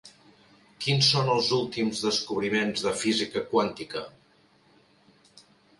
Quins són els últims descobriments de física quàntica?